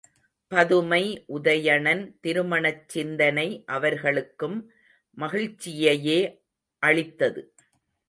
பதுமை உதயணன் திருமணச் சிந்தனை அவர்களுக்கும் மகிழ்ச்சியையே அளித்தது.